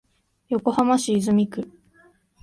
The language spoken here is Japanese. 横浜市泉区